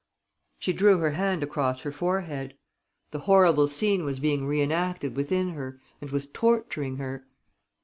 She drew her hand across her forehead. The horrible scene was being reenacted within her and was torturing her.